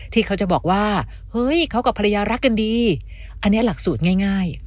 ที่เขาจะบอกว่าเฮ้ยเขากับภรรยารักกันดีอันนี้หลักสูตรง่าย